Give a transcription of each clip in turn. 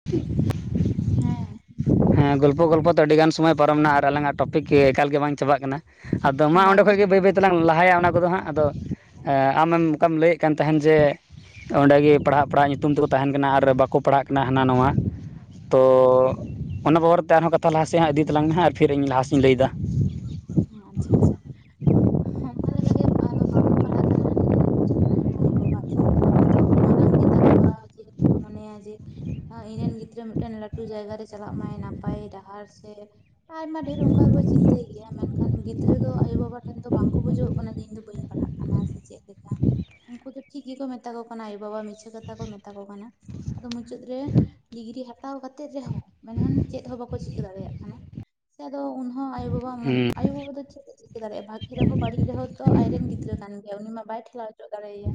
[inaudible] ᱦᱮᱸ ᱦᱮᱸ ᱜᱚᱞᱯᱚ ᱜᱚᱞᱯᱚ ᱛᱮ ᱟᱹᱰᱤ ᱜᱟᱱ ᱥᱚᱢᱚᱭ ᱯᱟᱨᱚᱢᱱᱟ ᱟᱨ ᱟᱞᱟᱝ ᱟᱜ ᱴᱚᱯᱤᱠ ᱜᱮ ᱮᱠᱟᱞ ᱜᱮ ᱵᱟᱝ ᱪᱟᱵᱟᱜ ᱠᱟᱱᱟ᱾ ᱟᱫᱚ ᱢᱟ ᱚᱸᱰᱮ ᱠᱷᱚᱡ ᱜᱮ ᱵᱟᱹᱭ ᱵᱟᱹᱭᱼᱼ ᱛᱮᱞᱟᱝ ᱞᱟᱦᱟᱭᱟ ᱚᱱᱟ ᱠᱚᱫᱚ ᱦᱟᱸᱜ ᱟᱫᱚ ᱟᱢᱮᱢ ᱚᱱᱠᱟᱢ ᱞᱟᱹᱭᱮᱫ ᱠᱟᱱ ᱛᱟᱦᱮᱱ ᱡᱮᱼᱼ ᱚᱸᱰᱮᱜᱮ ᱯᱟᱲᱦᱟᱜ ᱯᱟᱲᱦᱟᱜ ᱧᱩᱛᱩᱢ ᱛᱮᱠᱚ ᱛᱟᱦᱮᱸᱱ ᱠᱟᱱᱟ ᱟᱨ ᱵᱟᱠᱚ ᱯᱟᱲᱦᱟᱜ ᱠᱟᱱᱟ ᱦᱟᱱᱟ ᱱᱟᱣᱟ᱾ ᱛᱚ ᱚᱱᱟ ᱵᱟᱵᱚᱨ ᱛᱮ ᱟᱨᱦᱚᱸ ᱠᱟᱛᱷᱟ ᱞᱟᱦᱟᱥᱮᱫ ᱦᱟᱸᱜ ᱤᱫᱤ ᱛᱟᱞᱟᱝ ᱢᱮ ᱦᱟᱸᱜ ᱟᱨ ᱯᱷᱤᱨ ᱤᱧ ᱞᱟᱦᱟ ᱥᱮᱫ-ᱤᱧ ᱞᱟᱹᱭᱫᱟ ᱟᱪᱪᱷᱟ ᱟᱪᱪᱷᱟ ᱚᱱᱠᱟ ᱞᱮᱠᱟᱜᱮ ᱟᱫᱚ ᱵᱟᱝᱠᱚ ᱯᱟᱲᱦᱟᱜ ᱠᱟᱱᱟ ᱦᱟᱸᱰᱮ ᱱᱟᱰᱮ ᱠᱚ ᱪᱟᱞᱟᱜ ᱠᱟᱱᱟ ᱟᱭᱳ ᱵᱟᱵᱟ-ᱟᱜ ᱪᱤᱱᱛᱟᱹ ᱵᱷᱟᱵᱱᱟ ᱫᱚ ᱢᱟᱨᱟᱝ ᱜᱮᱛᱟ ᱠᱚᱣᱟ ᱡᱮᱦᱮᱛᱩ ᱠᱚ ᱢᱚᱱᱮᱭᱟ ᱡᱮ ᱤᱧᱱᱨᱮᱱ ᱜᱤᱫᱽᱨᱟᱹ ᱢᱤᱫᱴᱮᱱ ᱞᱟᱹᱴᱩ ᱡᱟᱭᱜᱟ ᱨᱮ ᱪᱟᱞᱟᱜ ᱢᱟᱭ ᱱᱟᱯᱟᱭ ᱰᱟᱦᱟᱨ ᱥᱮ ᱟᱭᱢᱟ ᱰᱷᱮᱨ ᱚᱱᱠᱟ ᱜᱮᱠᱚ ᱪᱤᱱᱛᱟᱹᱭᱮᱫ ᱜᱮᱭᱟ ᱢᱮᱱ ᱠᱷᱟᱱ ᱜᱤᱫᱽᱨᱟᱹ ᱫᱚ ᱟᱭᱳᱼᱵᱟᱵᱟ ᱴᱷᱮᱱ ᱫᱚ ᱵᱟᱝᱠᱚ ᱵᱩᱡᱷᱟᱹᱣ-ᱚᱜ ᱠᱟᱱᱟ ᱡᱮ ᱤᱧ ᱫᱚ ᱵᱟᱹᱧ ᱯᱟᱲᱦᱟᱜ ᱠᱟᱱᱟ ᱥᱮ ᱪᱮᱫ ᱞᱮᱠᱟ ᱩᱱᱠᱩ ᱫᱚ ᱴᱷᱤᱠ ᱜᱮᱠᱚ ᱢᱮᱛᱟ ᱠᱚ ᱠᱟᱱᱟ ᱟᱭᱳ ᱵᱟᱵᱟ ᱢᱤᱪᱷᱟᱹ ᱠᱟᱛᱷᱟ ᱠᱚ ᱢᱮᱛᱟ ᱠᱚ ᱠᱟᱱᱟ ᱟᱫᱚ ᱢᱩᱪᱟᱹᱫ ᱨᱮ ᱰᱤᱜᱽᱨᱤ ᱦᱟᱛᱟᱣ ᱠᱟᱛᱮᱫ ᱨᱮᱦᱚᱸ ᱢᱮᱱᱠᱷᱟᱱ ᱪᱮᱫ ᱦᱚᱸ ᱵᱟᱠᱚ ᱪᱤᱠᱟᱹ ᱫᱟᱲᱮᱭᱟᱜ ᱠᱟᱱᱟ ᱥᱮ ᱟᱫᱚ ᱩᱱᱦᱚᱸ ᱟᱭᱳ ᱵᱟᱵᱟ ᱢᱚᱱ ᱦᱮᱸ ᱟᱭᱳ ᱵᱟᱵᱟ ᱫᱚ ᱪᱮᱫ ᱮ ᱪᱤᱠᱟᱹ ᱫᱟᱲᱮᱭᱟᱜᱼᱟ ᱵᱷᱟᱹᱜᱤ ᱨᱮᱦᱚᱸ ᱵᱟᱹᱲᱤᱡ ᱨᱮᱦᱚᱸᱚ ᱛᱚ ᱟᱡᱨᱮᱱ ᱜᱤᱫᱽᱨᱟᱹ ᱠᱟᱱ ᱜᱮᱭᱟᱟᱭ ᱩᱱᱤ ᱢᱟ ᱵᱟᱭ ᱴᱮᱞᱟᱣ ᱚᱪᱚᱜ ᱫᱟᱲᱮᱭᱟᱭᱟ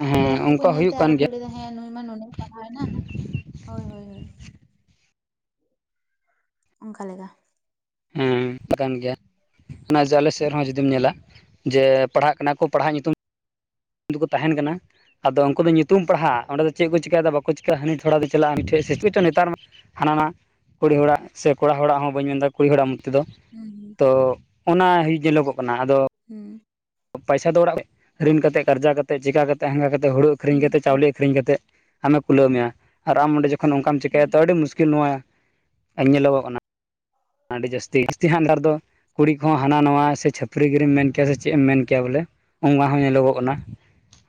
ᱦᱮᱸ ᱟᱫᱚ ᱩᱱᱠᱩ ᱠᱚ ᱚᱱᱠᱟ ᱧᱮᱞ ᱦᱩᱭᱩᱜ ᱛᱮ ᱠᱟᱱ ᱟᱨᱚ ᱠᱚ ᱜᱮᱭᱟ ᱞᱟᱹᱭᱫᱟ ᱦᱮᱸ ᱱᱩᱭ ᱢᱟ ᱱᱩᱱᱟᱹᱜ ᱮ ᱯᱟᱲᱦᱟᱣᱮᱱᱟ ᱦᱳᱭ ᱦᱳᱭ ᱦᱳᱭ ᱚᱱᱠᱟ ᱞᱮᱠᱟ ᱦᱮᱸ ᱠᱟᱱ ᱜᱮᱭᱟ ᱚᱱᱟ ᱡᱮ ᱟᱞᱮ ᱥᱮᱫ ᱨᱮᱦᱚᱸ ᱡᱩᱫᱤᱢ ᱧᱮᱞᱟ ᱡᱮ ᱯᱟᱲᱦᱟᱜ ᱠᱟᱱᱟ ᱠᱚ ᱯᱟᱲᱦᱟᱜ ᱧᱩᱛᱩᱢ ᱩᱱᱠᱩ ᱫᱚᱠᱚ ᱛᱟᱦᱮᱱ ᱠᱟᱱᱟ ᱟᱫᱚ ᱩᱱᱠᱩ ᱫᱚ ᱧᱩᱛᱩᱢ ᱯᱟᱲᱦᱟᱜ ᱚᱸᱰᱮ ᱫᱚ ᱪᱮᱫ ᱠᱚ ᱪᱤᱠᱟᱹᱭᱫᱟ ᱵᱟᱠᱚ ᱪᱤᱠᱟᱹ ᱦᱟᱹᱱᱤ ᱛᱷᱚᱲᱟ ᱫᱚ ᱪᱟᱞᱟᱜᱼᱟ ᱦᱟᱹᱱᱤ ᱴᱷᱮᱡ ᱥᱤᱪᱩᱭᱮᱥᱚᱱ ᱱᱮᱛᱟᱨ ᱢᱟ ᱦᱟᱱᱟ ᱱᱟ ᱠᱩᱲᱤ ᱦᱚᱲᱟᱜ ᱥᱮ ᱠᱚᱲᱟ ᱦᱚᱲᱟᱜ ᱦᱚᱸ ᱵᱟᱹᱧ ᱢᱮᱱᱫᱟ ᱠᱩᱲᱤ ᱦᱚᱲᱟᱜ ᱢᱚᱡᱽ ᱛᱮ ᱫᱚ ᱦᱩᱸ ᱦᱩᱸ ᱛᱚ ᱚᱱᱟ ᱦᱩᱭ ᱧᱮᱞᱚᱜᱚᱜ ᱠᱟᱱᱟ ᱟᱫᱚ ᱦᱩᱸ ᱯᱟᱭᱥᱟ ᱫᱚ ᱚᱲᱟᱜ ᱠᱷᱚᱡᱟᱜ ᱨᱤᱱ ᱠᱟᱛᱮᱫ ᱠᱟᱨᱡᱟ ᱠᱟᱛᱮᱫ ᱪᱤᱠᱟ ᱠᱟᱛᱮ ᱦᱟᱝᱠᱟ ᱠᱟᱛᱮ ᱦᱩᱲᱩ ᱟᱹᱷᱨᱤᱧ ᱦᱩᱸ ᱠᱟᱛᱮ ᱦᱩᱸ ᱪᱟᱣᱞᱮᱹ ᱟᱹᱠᱷᱨᱤᱧ ᱠᱟᱛᱮᱫ ᱟᱢᱮ ᱠᱩᱞᱟᱹᱣ ᱢᱮᱭᱟ ᱟᱨ ᱟᱢ ᱚᱸᱰᱮ ᱡᱚᱠᱷᱚᱱ ᱚᱱᱠᱟᱢ ᱦᱩᱸ ᱪᱮᱠᱟᱹᱭᱟ ᱦᱩᱸ ᱛᱚ ᱟᱹᱰᱤ ᱢᱩᱥᱠᱤᱞ ᱱᱚᱣᱟ ᱟᱨ ᱧᱮᱞᱚᱜᱚᱜ ᱠᱟᱱᱟ ᱟᱹᱰᱤ ᱡᱟᱹᱥᱛᱤ ᱡᱟᱹᱥᱛᱤ ᱦᱟᱸᱜ ᱱᱮᱛᱟᱨ ᱫᱚ ᱠᱩᱲᱤ ᱠᱚᱦᱚᱸ ᱦᱟᱱᱟ ᱱᱟ ᱥᱮ ᱪᱷᱟᱹᱯᱨᱤ ᱜᱤᱨᱤᱢ ᱢᱮᱱ ᱠᱮᱭᱟ ᱥᱮ ᱪᱮᱫ ᱮᱢ ᱢᱮᱱ ᱠᱮᱭᱟ ᱵᱚᱞᱮ ᱱᱚᱣᱟ ᱦᱚᱸ ᱧᱮᱞᱚᱜᱚᱜ ᱠᱟᱱᱟ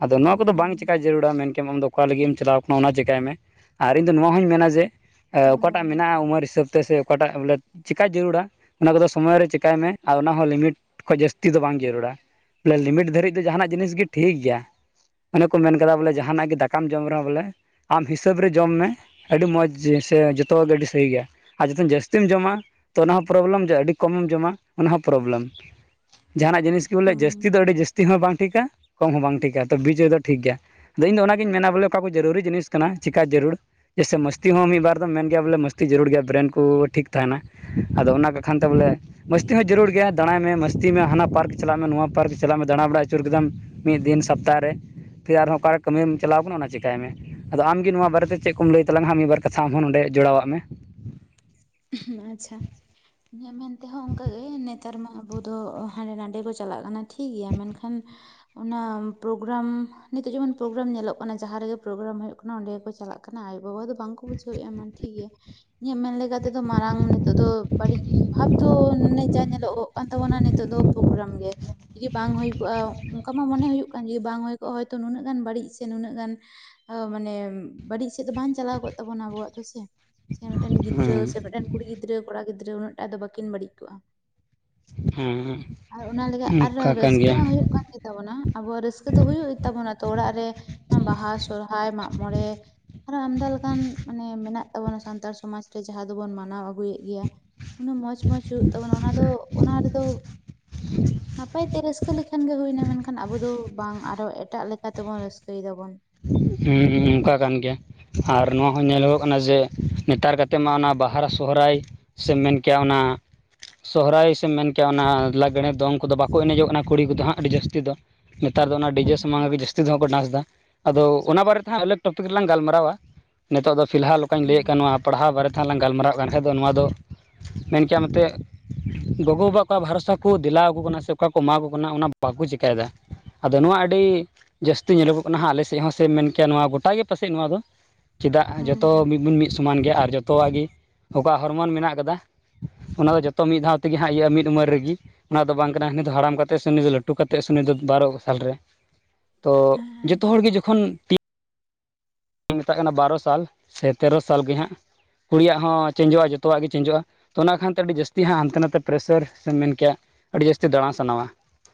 ᱟᱫᱚ ᱦᱩᱸ ᱱᱚᱣᱟ ᱦᱩᱸ ᱠᱚᱫᱚ ᱵᱟᱝ ᱦᱩᱸ ᱪᱤᱠᱟ ᱡᱟᱹᱨᱩᱲᱟ ᱢᱮᱱᱠᱷᱟᱱ ᱟᱢᱫᱚ ᱚᱠᱟ ᱞᱟᱹᱜᱤᱫ ᱴᱷᱤᱠ ᱮᱢ ᱪᱟᱞᱟᱣ ᱠᱟᱱᱟ ᱚᱱᱟ ᱪᱤᱠᱟᱭ ᱢᱮ ᱟᱨ ᱤᱧᱫᱚ ᱱᱚᱣᱟ ᱦᱚᱸᱧ ᱢᱮᱱᱟ ᱡᱮ ᱮ ᱦᱳᱭ ᱚᱠᱟᱴᱟᱜ ᱦᱳᱭ ᱢᱮᱱᱟᱜᱼᱟ ᱩᱢᱮᱨ ᱦᱤᱥᱟᱹᱵᱽ ᱛᱮ ᱥᱮ ᱚᱠᱟᱴᱟᱜ ᱵᱚᱞᱮ ᱪᱮᱠᱟᱭ ᱡᱟᱹᱨᱩᱲᱟ ᱚᱱᱟ ᱠᱚᱫᱚ ᱥᱚᱢᱚᱭ ᱨᱮ ᱪᱮᱠᱟᱭ ᱢᱮ ᱟᱨ ᱚᱱᱟ ᱦᱚᱸ ᱞᱤᱢᱤᱴ ᱠᱷᱚᱡ ᱡᱟᱹᱥᱛᱤ ᱫᱚ ᱵᱟᱝ ᱡᱟᱹᱨᱩᱲᱟ ᱵᱚᱞᱮ ᱞᱤᱢᱤᱴ ᱫᱷᱟᱹᱨᱤᱡ ᱫᱚ ᱡᱟᱦᱟᱸᱱᱟᱜ ᱡᱤᱱᱤᱥ ᱜᱮ ᱴᱷᱤᱠ ᱜᱮᱭᱟ ᱚᱱᱮ ᱠᱚ ᱢᱮᱱ ᱠᱟᱫᱟ ᱵᱚᱞᱮ ᱡᱟᱦᱟᱸᱱᱟᱜ ᱜᱮ ᱫᱟᱠᱟᱢ ᱡᱚᱢ ᱨᱮᱦᱚᱸ ᱵᱚᱞᱮ ᱟᱢ ᱦᱤᱥᱟᱹᱵᱽ ᱨᱮ ᱡᱚᱢ ᱢᱮ ᱟᱹᱰᱤ ᱢᱚᱡᱽ ᱥᱮ ᱡᱚᱛᱚ ᱟᱹᱰᱤ ᱥᱟᱹᱦᱤ ᱜᱮᱭᱟ ᱟᱨ ᱡᱚᱛᱚ ᱡᱟᱹᱥᱛᱤᱢ ᱡᱚᱢᱟ ᱛᱚ ᱚᱱᱟ ᱦᱚᱸ ᱯᱨᱚᱵᱞᱮᱢ ᱡ ᱟᱹᱰᱤ ᱠᱚᱢᱮᱢ ᱡᱚᱢᱟ ᱚᱱᱟ ᱦᱚᱸ ᱯᱨᱚᱵᱞᱮᱢ ᱡᱟᱦᱟᱸᱱᱟᱜ ᱡᱤᱱᱤᱥ ᱵᱚᱞᱮ ᱦᱩᱸ ᱡᱟᱹᱥᱛᱤ ᱫᱚ ᱟᱹᱰᱤ ᱡᱟᱹᱥᱛᱤ ᱦᱚᱸ ᱵᱟᱝ ᱴᱷᱤᱠᱟ ᱠᱚᱢ ᱦᱚᱸ ᱵᱟᱝ ᱴᱷᱤᱠᱟ ᱛᱚ ᱵᱤᱡᱚᱭ ᱫᱚ ᱴᱷᱤᱠ ᱜᱮᱭᱟ ᱛᱤᱦᱤᱧ ᱫᱚ ᱚᱱᱟᱜᱤᱧ ᱢᱮᱱᱟ ᱵᱚᱞᱮ ᱚᱠᱟ ᱠᱚ ᱡᱟᱹᱨᱩᱨᱤ ᱡᱤᱱ ᱠᱟᱱᱟ ᱪᱮᱠᱟ ᱡᱟᱹᱨᱩᱲ ᱡᱮᱭᱥᱮ ᱢᱚᱥᱛᱤ ᱦᱚᱸ ᱢᱤᱫ ᱵᱟᱨ ᱫᱚ ᱢᱮᱱ ᱜᱮᱭᱟ ᱵᱚᱞᱮ ᱢᱚᱥᱛᱤ ᱡᱟᱹᱨᱩᱲ ᱜᱮᱭᱟ ᱵᱨᱮᱱ ᱠᱚ ᱴᱷᱤᱠ ᱛᱟᱦᱮᱱᱟ ᱟᱫᱚ ᱚᱱᱟ ᱠᱚᱠᱷᱟᱱ ᱛᱮ ᱵᱚᱞᱮ ᱢᱟᱹᱥᱛᱤ ᱦᱚᱸ ᱡᱟᱹᱨᱩᱲ ᱜᱮᱭᱟ ᱫᱟᱸᱲᱟᱭ ᱢᱮ ᱢᱟᱹᱥᱛᱤ ᱢᱮ ᱦᱟᱱᱟ ᱯᱟᱨᱠ ᱪᱟᱞᱟᱜ ᱢᱮ ᱱᱚᱣᱟ ᱯᱟᱨᱠ ᱪᱟᱞᱟᱜ ᱢᱮ ᱫᱟᱲᱟ ᱵᱟᱲᱟ ᱟᱹᱪᱩᱨ ᱠᱮᱫᱟᱢ ᱢᱤᱫ ᱫᱤᱱ ᱥᱚᱯᱛᱟ ᱨᱮ ᱯᱷᱤᱨ ᱟᱨᱦᱚᱸ ᱚᱠᱟᱨᱮ ᱠᱟᱹᱢᱤᱢ ᱪᱟᱞᱟᱣ ᱠᱟᱱᱟ ᱚᱱᱟ ᱪᱮᱠᱟᱭ ᱢᱮ ᱟᱫᱚ ᱟᱢᱜᱮ ᱱᱚᱣᱟ ᱵᱟᱨᱮ ᱛᱮ ᱪᱮᱫ ᱠᱚᱢ ᱞᱟᱹᱭ ᱛᱟᱞᱟᱝᱼᱟ ᱦᱟᱸᱜ ᱢᱤᱫᱵᱟᱨ ᱠᱟᱛᱷᱟ ᱟᱢᱦᱚᱸ ᱱᱚᱰᱮ ᱡᱚᱲᱟᱣᱟᱜ ᱢᱮ ᱦᱮᱸ ᱟᱪᱪᱷᱟ ᱦᱮᱸ ᱢᱮᱱ ᱛᱮᱦᱚᱸ ᱚᱱᱠᱟᱜᱮ ᱱᱮᱛᱟᱨ ᱢᱟ ᱟᱵᱚ ᱫᱚ ᱦᱟᱸᱰᱮ ᱱᱟᱸᱰᱮ ᱠᱚ ᱪᱟᱞᱟᱜ ᱠᱟᱱᱟ ᱴᱷᱤᱠ ᱜᱮᱭᱟ ᱢᱮᱱᱠᱷᱟᱱ ᱚᱱᱟ ᱯᱨᱳᱜᱨᱟᱢ ᱱᱤᱛᱚᱜ ᱡᱮᱢᱚᱱ ᱯᱨᱳᱜᱨᱟᱢ ᱧᱮᱞᱚᱜ ᱠᱟᱱᱟ ᱡᱟᱦᱟᱸ ᱨᱮᱜᱮ ᱯᱨᱳᱜᱨᱟᱢ ᱦᱩᱭᱩᱜ ᱠᱟᱱᱟ ᱚᱸᱰᱮ ᱜᱮᱠᱚ ᱪᱟᱞᱟᱜ ᱠᱟᱱᱟ ᱟᱭᱳᱼᱵᱟᱵᱟ ᱫᱚ ᱵᱟᱝᱠᱚ ᱵᱩᱡᱷᱟᱹᱣᱭᱮᱜᱼᱟ ᱢᱟ ᱴᱷᱤᱠ ᱜᱮᱭᱟ ᱤᱧᱟᱹᱜ ᱢᱮᱱ ᱞᱮᱠᱟ ᱛᱮᱫᱚ ᱢᱟᱨᱟᱝ ᱱᱤᱛᱚᱜ ᱫᱚ ᱵᱟᱹᱲᱤᱡ ᱵᱷᱟᱵ ᱫᱚ ᱱᱮ ᱡᱟ ᱧᱮᱞᱚᱜᱚᱜ ᱠᱟᱱ ᱛᱟᱵᱚᱱᱟ ᱱᱤᱛᱚᱜ ᱫᱚ ᱯᱨᱳᱜᱨᱟᱢ ᱜᱮ ᱡᱮ ᱵᱟᱝ ᱦᱩᱭ ᱠᱚᱜᱼᱟ ᱚᱱᱠᱟ ᱢᱟ ᱢᱚᱱᱮ ᱦᱩᱭᱩᱜ ᱠᱟᱱ ᱡᱮ ᱵᱟᱝ ᱦᱩᱭ ᱠᱚᱜᱼᱟ ᱦᱚᱭᱛᱳ ᱱᱩᱱᱟᱹᱜ ᱜᱟᱱ ᱵᱟᱹᱲᱤᱡ ᱥᱮ ᱱᱩᱱᱟᱹᱜ ᱜᱟᱱ ᱚ ᱢᱟᱱᱮ ᱵᱟᱹᱲᱤᱡ ᱥᱮᱫ ᱫᱚ ᱵᱟᱝ ᱪᱟᱞᱟᱣ ᱠᱚᱜ ᱛᱟᱵᱚᱱᱟ ᱟᱵᱚᱣᱟᱜ ᱫᱚ ᱥᱮ ᱥᱮ ᱢᱤᱫᱴᱮᱱ ᱦᱮᱸ ᱜᱤᱫᱽᱨᱟᱹ ᱥᱮ ᱢᱤᱫᱴᱮᱱ ᱠᱩᱲᱤ ᱜᱤᱫᱽᱨᱟᱹ ᱠᱚᱲᱟ ᱜᱤᱫᱽᱨᱟᱹ ᱩᱱᱟᱹᱜ ᱴᱟ ᱫᱚ ᱵᱟᱹᱠᱤᱱ ᱵᱟᱹᱲᱤᱡ ᱠᱚᱜᱼᱟ ᱦᱮᱸ ᱟᱨ ᱚᱱᱟ ᱞᱟᱹᱜᱤᱫ ᱟᱨ ᱚᱱᱠᱟ ᱠᱟᱱ ᱨᱟᱹᱥᱠᱟᱹ ᱜᱮᱭᱟ ᱢᱟ ᱦᱩᱭᱩᱜ ᱠᱟᱱ ᱜᱮ ᱛᱵᱚᱱᱟ ᱟᱵᱚᱣᱟᱜ ᱨᱟᱹᱥᱠᱟᱹ ᱫᱚ ᱦᱩᱭᱩᱜ ᱛᱟᱵᱚᱱᱟ ᱛᱚ ᱚᱲᱟᱜ ᱨᱮ ᱟ ᱵᱟᱦᱟ, ᱥᱚᱦᱨᱟᱭ, ᱢᱟᱜ ᱢᱚᱬᱮ ᱟᱨᱚ ᱟᱢᱫᱟ ᱞᱮᱠᱟᱱ ᱢᱟᱱᱮ ᱢᱮᱱᱟᱜ ᱛᱟᱵᱚᱱᱟ ᱥᱟᱱᱛᱟᱲ ᱥᱚᱢᱟᱡᱽ ᱨᱮ ᱡᱟᱦᱟᱸ ᱫᱚᱵᱚᱱ ᱢᱟᱱᱟᱣ ᱟᱹᱜᱩᱭᱮᱫ ᱜᱮᱭᱟ, ᱩᱱᱟᱹᱜ ᱢᱚᱸᱡᱽ-ᱢᱚᱸᱡᱽ ᱦᱩᱭᱩᱜ ᱛᱟᱵᱚᱱᱟ ᱚᱱᱟ ᱫᱚ ᱚᱱᱟ ᱨᱮᱫᱚ ᱱᱟᱯᱟᱭ ᱛᱮ ᱨᱟᱹᱥᱠᱟᱹ ᱞᱮᱠᱷᱟᱱ ᱜᱮ ᱦᱩᱭᱱᱟ, ᱢᱮᱱᱠᱷᱟᱱ ᱟᱵᱚ ᱫᱚ ᱵᱟᱝ ᱟᱨᱚ ᱮᱴᱟᱜ ᱞᱮᱠᱟᱛᱮ ᱵᱩᱱ ᱨᱟᱹᱥᱠᱟᱹᱭ ᱫᱟᱵᱚᱱ ᱾ ᱦᱩᱸ ᱦᱩᱸ ᱚᱱᱠᱟ ᱠᱟᱱ ᱜᱮᱭᱟ ᱾ ᱟᱨ ᱱᱚᱣᱟ ᱦᱚᱸ ᱧᱮᱞᱚᱜᱚᱜ ᱠᱟᱱᱟ ᱡᱮ ᱱᱮᱛᱟᱨ ᱠᱟᱛᱮᱫ ᱢᱟ ᱚᱱᱟ ᱵᱟᱦᱟ, ᱥᱚᱦᱚᱨᱟᱭ ᱥᱮ ᱢᱮᱱ ᱠᱮᱭᱟ ᱚᱱᱟ ᱥᱚᱦᱨᱟᱭ ᱥᱮᱢ ᱢᱮᱱ ᱠᱮᱭᱟ ᱚᱱᱟ ᱞᱟᱜᱽᱲᱮ, ᱫᱚᱝ ᱠᱚᱫᱚ ᱵᱟᱠᱚ ᱮᱱᱮᱡᱚᱜ ᱠᱟᱱᱟ ᱠᱩᱲᱤ ᱠᱚᱫᱚ ᱦᱟᱸᱜ ᱟᱹᱰᱤ ᱡᱟᱹᱥᱛᱤ ᱫᱚ ᱱᱮᱛᱟᱨ ᱫᱚ ᱚᱱᱟ ᱰᱤᱡᱮ ᱦᱩᱸ ᱥᱟᱢᱟᱝᱜ ᱜᱮ ᱡᱟᱹᱥᱛᱤ ᱫᱚ ᱠᱚ ᱰᱟᱱᱥ ᱫᱟ ᱟᱫᱚ ᱚᱱᱟ ᱵᱟᱨᱮᱛᱮ ᱦᱟᱸᱜ ᱟᱹᱞᱚᱠ ᱴᱚᱯ ᱷᱤᱠ ᱞᱟᱝ ᱜᱟᱞᱢᱟᱨᱟᱣᱟ ᱱᱤᱛᱚᱜ ᱫᱚ ᱯᱷᱤᱞᱦᱟᱞ ᱚᱠᱟᱧ ᱞᱟᱹᱭᱠᱜ ᱦᱩᱸ ᱱᱚᱣᱟ ᱯᱟᱲᱦᱟᱣ ᱵᱟᱨᱮ ᱛᱮ ᱦᱟᱜ ᱞᱟᱝ ᱜᱟᱞᱢᱟᱨᱟᱣ ᱠᱟᱱ ᱵᱟᱝᱠᱷ ᱫᱚ ᱱᱚᱣᱟ ᱫᱚ ᱢᱮᱱ ᱠᱮᱭᱟ ᱱᱚᱛᱮ ᱜᱚᱜᱚ ᱵᱟᱵᱟ ᱚᱠᱟ ᱵᱷᱟᱨᱚᱥᱟ ᱠᱚ ᱫᱮᱞᱟ ᱟᱠᱚ ᱠᱟᱱᱟ ᱥᱮ ᱚᱠᱟ ᱠᱚ ᱮᱢᱟ ᱠᱚ ᱠᱟᱱᱟ ᱚᱱᱟ ᱵᱟᱠᱚ ᱪᱤᱠᱟᱹᱭᱫᱟ, ᱟᱫᱚ ᱱᱚᱣᱟ ᱟᱹᱰᱤ ᱡᱟᱹᱥᱛᱤ ᱧᱮᱞᱚᱜᱚᱜ ᱠᱟᱱᱟ ᱦᱟᱸᱜ ᱟᱞᱮ ᱥᱮ ᱮᱫ ᱦᱚᱸ ᱥᱮᱢ ᱢᱮᱱ ᱠᱮᱭᱟ ᱱᱚᱣᱟ ᱜᱚᱴᱟ ᱜᱮ ᱯᱟᱥᱮᱡ ᱱᱚᱣᱟ ᱫᱚ ᱪᱮᱫᱟᱜ ᱡᱚᱛᱚ ᱦᱩᱸ ᱢᱤᱫ ᱵᱚᱱ ᱢᱤᱫ ᱥᱚᱢᱟᱱ ᱜᱮ ᱟᱨ ᱡᱚᱛᱚᱣᱟᱜ ᱜᱮ ᱚᱠᱟ ᱦᱚᱨᱢᱚᱱ ᱢᱮᱱᱟᱜ ᱟᱠᱟᱫᱟ ᱚᱱᱟ ᱫᱚ ᱡᱚᱛᱚ ᱢᱤᱫ ᱫᱷᱟᱣ ᱛᱮᱜᱮ ᱦᱟᱸᱜ ᱤᱭᱟᱹᱼᱟ ᱢᱤ ᱩᱢᱮᱨ ᱨᱮᱜᱮ, ᱚᱱᱟ ᱫᱚ ᱵᱟᱝ ᱠᱟᱱᱟ ᱦᱟᱹᱱᱤ ᱫᱚ ᱦᱟᱲᱟᱢ ᱠᱟᱛᱮᱫ ᱥᱮ ᱱᱩᱭ ᱫᱚ ᱞᱟᱹᱴᱩ ᱠᱟᱛᱮᱫ ᱥᱮ ᱱᱩᱭ ᱫᱚ ᱵᱟᱨᱚ ᱥᱟᱞ ᱨᱮ, ᱛᱚ ᱦᱩᱸ ᱡᱚᱛᱚ ᱦᱚᱲᱜᱮ ᱡᱚᱠᱷᱚᱱ ᱴᱤ ᱢᱮᱛᱟᱜ ᱠᱟᱱᱟ ᱵᱟᱨᱚ ᱥᱟᱞ, ᱥᱮ ᱛᱮᱨᱚ ᱥᱟᱞ ᱜᱮ ᱦᱟᱸᱜ ᱠᱩᱲᱤᱭᱟᱜ ᱦᱚᱸ ᱪᱮᱱᱡᱚᱜᱼᱟ ᱡᱚᱛᱚᱣᱟᱜ ᱜᱮ ᱪᱮᱱᱡᱚᱜᱼᱟ, ᱛᱚ ᱚᱱᱟ ᱠᱷᱟᱱᱛᱮ ᱟᱹᱰᱤ ᱡᱟᱹᱥᱛᱤ ᱦᱟᱸᱜ ᱦᱟᱱᱛᱮ ᱱᱟᱛᱮ ᱯᱮᱨᱮᱥᱟᱹᱨ ᱥᱮᱢ ᱢᱮᱱ ᱠᱮᱭᱟ ᱟᱹᱰᱤ ᱡᱟᱹᱥᱛᱤ ᱫᱟᱬᱟ ᱥᱟᱱᱟᱣᱟ,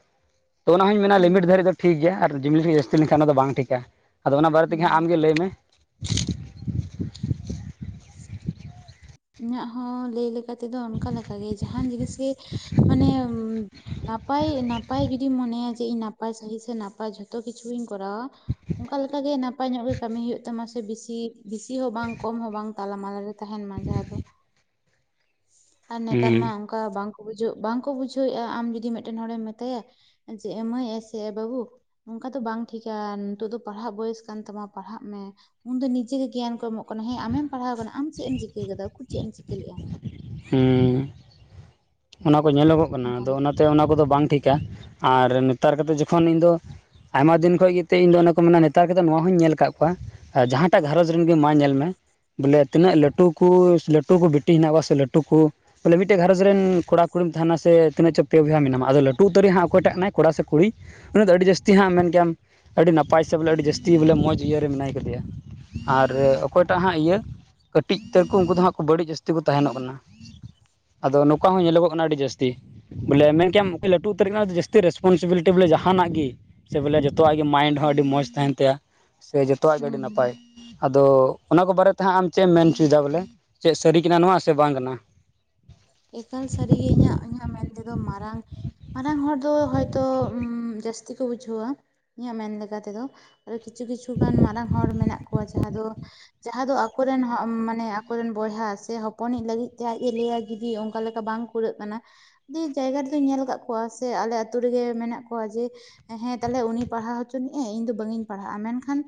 [inaudible] ᱛᱚ ᱚᱱᱟ ᱦᱚᱸᱧ ᱦᱩᱸ ᱢᱮᱱᱟ ᱦᱩᱸ ᱞᱤᱢᱤᱴ ᱫᱷᱟᱹᱨᱤᱡ ᱫᱚ ᱴᱷᱤᱠ ᱜᱮᱭᱟ ᱟᱨ [unintelligible] ᱡᱟᱹᱥᱛᱤ ᱞᱮᱱᱠᱷᱟᱱ ᱚᱱᱟ ᱫᱚ ᱵᱟᱝ ᱴᱷᱤᱠᱟ, ᱟᱫᱚ ᱚᱱᱟ ᱵᱟᱨᱮ ᱛᱮᱜᱮ ᱦᱩᱸ ᱦᱟᱸᱜ ᱟᱢ ᱜᱮ ᱞᱟᱹᱭ ᱢᱮ᱾ [inaudible] ᱤᱧᱟᱹᱜ ᱦᱚᱸ ᱞᱟᱹᱭ ᱞᱮᱠᱟ ᱛᱮᱫᱚ ᱚᱱᱠᱟ ᱞᱮᱠᱟᱜᱮ ᱡᱟᱦᱟᱱ ᱡᱤᱱᱤᱥ ᱜᱮ ᱢᱟᱱᱮ ᱱᱟᱯᱟᱭ ᱱᱟᱯᱟᱭ ᱡᱩᱫᱤᱢ ᱢᱚᱱᱮᱭᱟ ᱡᱮ ᱤᱧ ᱱᱟᱯᱟᱭ ᱥᱟᱹᱦᱤ ᱥᱮ ᱱᱟᱯᱟᱭ ᱡᱚ ᱛᱚ ᱠᱤᱪᱷᱩᱧ ᱠᱚᱨᱟᱣᱟ ᱚᱱᱠᱟ ᱞᱮᱠᱟ ᱜᱮ ᱱᱟᱯᱟᱭ ᱧᱚᱜ ᱜᱮ ᱠᱟᱹᱢᱤ ᱦᱩᱭᱩᱜ ᱛᱟᱢᱟ ᱥᱮ ᱵᱤᱥᱤ ᱵᱤᱥᱤ ᱦᱚᱸ ᱵᱟᱝ ᱠᱚᱢ ᱦᱚᱸ ᱵᱟᱝ ᱛᱟᱞᱟᱢᱟᱞᱟ ᱨᱮ ᱛᱟᱦᱮᱱ ᱢᱟ ᱡᱟᱦᱟᱸ ᱫᱚ, ᱟᱨ ᱦᱮᱸ ᱱᱮᱛᱟᱨᱢᱟ, ᱚᱱᱠᱟ ᱵᱟᱝ ᱵᱩᱡᱷᱟᱹ ᱵᱟᱝᱠᱚ ᱵᱩᱡᱷᱟᱹᱣᱮᱼᱟ ᱟᱢ ᱡᱩᱫᱤ ᱢᱤᱫᱴᱮᱱ ᱦᱚᱲᱮᱢ ᱢᱮᱛᱟᱭᱟ ᱡᱮ ᱮ ᱢᱟ. ᱭ ᱮᱥ ᱵᱟᱵᱩ ᱱᱚᱝᱠᱟ ᱫᱚ ᱵᱟᱝ ᱴᱷᱤᱠᱟ ᱱᱤᱛᱚᱜ ᱫᱚ ᱯᱟᱲᱦᱟᱜ ᱵᱚᱭᱮᱥ ᱠᱟᱱ ᱛᱟᱢᱟ ᱯᱟᱲᱦᱟᱜ ᱢᱮ ᱩᱱᱫᱚ ᱱᱤᱡᱮᱜᱮ ᱜᱮᱭᱟᱱ ᱠᱚ ᱮᱢᱚᱜ ᱠᱟᱱᱟ ᱦᱮᱸ ᱟᱢᱮᱢ ᱯᱟᱲᱦᱟᱣ ᱠᱟᱱᱟ ᱟᱢ ᱪᱮᱫ ᱮᱢ ᱪᱤᱠᱟᱹ ᱠᱟᱫᱟ ᱩᱱᱠᱩᱨ ᱪᱮᱫ ᱮᱢ ᱪᱤᱠᱟᱹ ᱞᱮᱜᱼᱟ ᱾ ᱦᱮᱸ ᱾ ᱚᱱᱟ ᱠᱚ ᱧᱮᱞᱚᱜᱚᱜ ᱠᱟᱱᱟ ᱚᱱᱠᱟ ᱟᱫᱚ ᱚᱱᱟᱛᱮ ᱚᱱᱟ ᱠᱚᱫᱚ ᱵᱟᱝ ᱴᱷᱤᱠᱟ ᱟᱨ ᱱᱮᱛᱟᱨ ᱠᱟᱛᱮ ᱡᱚᱠᱷᱚᱱ ᱤᱧ ᱫᱚ ᱟᱭᱢᱟ ᱫᱤᱱ ᱠᱷᱚᱡ ᱜᱮ ᱛᱮ ᱤᱧ ᱫᱚ ᱚᱱᱟ ᱠᱚ ᱢᱮᱱᱟ ᱱᱮᱛᱟᱨ ᱠᱟᱛᱮ ᱱᱚᱣᱟ ᱦᱚᱧ ᱧᱮᱞ ᱠᱟᱫ ᱠᱚᱣᱟ ᱟ ᱡᱟᱦᱟᱸᱴᱟᱜ ᱜᱷᱟᱨᱚᱡᱽ ᱨᱮᱱ ᱜᱮ ᱢᱟ ᱧᱮᱞ ᱢᱮ ᱵᱚᱞᱮ ᱛᱤᱱᱟᱹᱜ ᱞᱟᱹᱴᱩ ᱠᱚ ᱞᱟᱹᱴᱩ ᱠᱚ ᱵᱤᱴᱤ ᱦᱮᱱᱟ ᱠᱚ ᱥᱮ ᱞᱟᱹᱴᱩ ᱠᱚ ᱵᱚᱞᱮ ᱢᱤᱫᱴᱮᱱ ᱜᱷᱟᱨᱚᱡᱽ ᱨᱮᱱ ᱠᱚᱲᱟ ᱠᱩᱲᱤᱢ ᱛᱟᱦᱮᱱᱟ ᱥᱮ ᱛᱤᱱᱟᱹᱜ ᱪᱚ ᱯᱮ ᱵᱚᱭᱦᱟ ᱢᱮᱱᱟᱢᱟ ᱟᱫᱚ ᱞᱟᱴᱩ ᱩᱛᱩᱨᱤᱜ ᱦᱟᱜ ᱚᱭᱴᱟᱜ ᱠᱟᱱᱟᱭ ᱠᱚᱲᱟ ᱥᱮ ᱠᱩᱲᱤ ᱩᱱᱤ ᱫᱚ ᱟᱹᱰᱤ ᱡᱟᱹᱥᱛᱤ ᱦᱟᱸᱜ ᱢᱮᱱ ᱠᱮᱭᱟᱢ ᱟᱹᱰᱤ ᱱᱟᱯᱟᱭ ᱥᱮ ᱵᱚᱞᱮ ᱟᱹᱰᱤ ᱡᱟᱹᱥᱛᱤ ᱵᱚᱞᱮ ᱢᱚᱡᱽ ᱤᱭᱟᱹᱨᱮ ᱢᱮᱱᱟᱭ ᱠᱟᱫᱮᱭᱟ, ᱟᱨ ᱚᱠᱚᱭᱴᱟᱜ ᱦᱟᱸᱜ ᱤᱭᱟᱹ ᱠᱟᱹᱴᱤᱡ ᱩᱛᱟᱹᱨ ᱠᱚ ᱩᱱᱠᱩ ᱫᱚ ᱦᱟᱸᱜ ᱠᱚ ᱵᱟᱹᱲᱤ ᱡᱟᱹᱥᱛᱤ ᱠᱚ ᱛᱟᱦᱮᱱᱚᱜ ᱠᱟᱱᱟ ᱟᱫᱚ ᱱᱚᱝᱠᱟ ᱦᱚᱸ ᱧᱮᱞᱚᱜᱚᱜ ᱠᱟᱱᱟ ᱟᱹᱰᱤ ᱡᱟᱹᱥᱛᱤ, ᱵᱚᱞᱮ ᱢᱮᱱ ᱠᱮᱟᱢ ᱚᱠᱚᱭ ᱞᱟᱹᱴᱩ ᱩᱛᱟᱹᱨ ᱠᱟᱱᱟ ᱡᱟᱹᱥᱛᱤ ᱨᱮᱥᱯᱚᱱᱥᱤᱵᱤᱞᱤᱴᱤ ᱵᱚᱞᱮ ᱡᱟᱦᱟᱱᱟᱜ ᱜᱮ ᱥᱮ ᱵᱚᱞᱮ ᱡᱚᱛᱚᱣᱟᱜ ᱜᱮ ᱢᱟᱭᱤᱱᱰ ᱦᱚᱸ ᱟᱹᱰᱤ ᱢᱚᱸᱡᱽ ᱛᱟᱦᱮᱱ ᱛᱟᱭᱟ ᱥᱮ ᱡᱚᱛᱚᱣᱟᱜ ᱜᱮ ᱦᱩᱸ ᱟᱹᱰᱤ ᱦᱩᱸ ᱱᱟᱯᱟᱭ, ᱟᱫᱚ ᱚᱱᱟ ᱠᱚ ᱵᱟᱨᱮᱛᱮ ᱦᱟᱸᱜ ᱟᱢ ᱪᱮᱫ ᱮᱢ ᱢᱮᱱ ᱚᱪᱚᱭᱮᱫᱟ ᱵᱚᱞᱮ ᱪᱮᱫ ᱥᱟᱹᱨᱤ ᱠᱟᱱᱟ ᱱᱚᱣᱟ ᱥᱮ ᱵᱟᱝ ᱠᱟᱱᱟ ᱾ ᱮᱠᱟᱞ ᱥᱟᱹᱨᱤᱜᱮ ᱤᱧᱟᱹᱜ ᱤᱧᱟᱹᱜ ᱢᱮᱱ ᱛᱮᱫᱚ ᱢᱟᱨᱟᱝ ᱢᱟᱨᱟᱝ ᱦᱚᱲ ᱫᱚ ᱦᱚᱭᱛᱚ ᱢᱻ ᱡᱟᱹᱥᱛᱤ ᱠᱚ ᱵᱩᱡᱷᱟᱹᱣᱟ ᱤᱧᱟᱹᱜ ᱢᱮᱱ ᱞᱮᱠᱟ ᱛᱮᱫᱚ ᱟᱨ ᱠᱤᱪᱷᱩ ᱠᱤᱪᱷᱩ ᱜᱟᱱ ᱢᱟᱨᱟᱝ ᱦᱚᱲ ᱢᱮᱱᱟᱜ ᱠᱚᱣᱟ ᱡᱟᱦᱟᱸ ᱫᱚ ᱡᱟᱦᱟᱸ ᱫᱚ ᱟᱠᱚᱨᱮᱱ ᱢᱟᱱᱮ ᱟᱠᱚᱨᱮᱱ ᱵᱚᱭᱦᱟ ᱥᱮ ᱦᱚᱯᱚᱱᱤᱡ ᱞᱟᱹᱜᱤᱫ ᱛᱮ ᱟᱡ ᱮ ᱞᱟᱹᱭᱭᱟ ᱡᱫᱤ ᱚᱱᱠᱟ ᱞᱮᱠᱟ ᱵᱟᱝ ᱠᱩᱨᱟᱹᱜ ᱠᱟᱱᱟ ᱫᱤᱭᱮ ᱡᱟᱭᱜᱟ ᱨᱮᱫᱚᱧ ᱧᱮᱞ ᱟᱠᱟᱫ ᱠᱚᱣᱟ ᱥᱮ ᱟᱞᱮ ᱟᱛᱳ ᱨᱮᱜᱮ ᱢᱮᱱᱟᱜ ᱠᱚᱣᱟ ᱡᱮ ᱦᱮᱸ ᱛᱟᱦᱞᱮ ᱩᱱᱤ ᱯᱟᱲᱦᱟᱣ ᱦᱚᱪᱚᱱᱤᱜ ᱮᱭ ᱤᱧ ᱫᱚ ᱵᱟᱹᱧ ᱯᱟᱲᱦᱟᱜᱼᱟ ᱢᱮᱱᱠᱷᱟᱱᱼᱼ